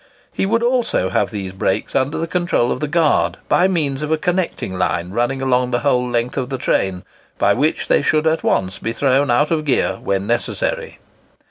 He would also have these brakes under the control of the guard, by means of a connecting line running along the whole length of the train, by which they should at once be thrown out of gear when necessary.